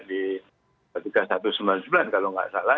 di tiga puluh satu sembilan puluh sembilan kalau tidak salah